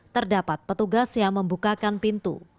terdapat petugas yang membukakan pintu